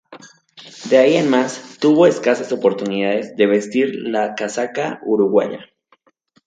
De ahí en más, tuvo escasas oportunidades de vestir la casaca uruguaya.